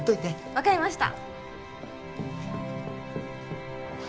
わかりました。